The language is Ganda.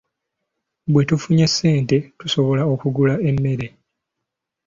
Bwe tufuna ssente tusobola okugula emmere.